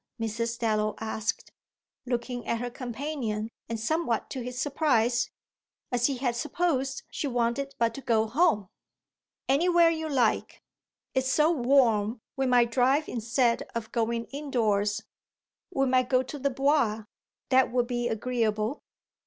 Mrs. Dallow asked, looking at her companion and somewhat to his surprise, as he had supposed she wanted but to go home. "Anywhere you like. It's so warm we might drive instead of going indoors. We might go to the Bois. That would be agreeable."